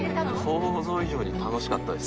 想像以上に楽しかったです。